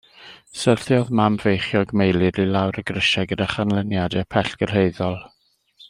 Syrthiodd mam feichiog Meilir i lawr y grisiau gyda chanlyniadau pellgyrhaeddol.